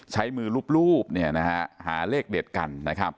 ใช้มือรูปหาเลขเด็ดกัน